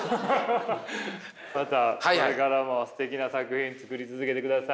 またこれからもすてきな作品作り続けてください。